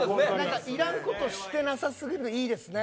いらんことしてなさ過ぎていいですね。